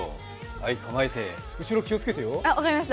はい、構えて、後ろ気をつけてよ。